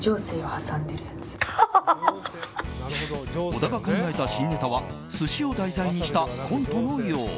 小田が考えた新ネタは寿司を題材にしたコントのよう。